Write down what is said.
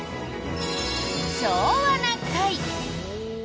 「昭和な会」。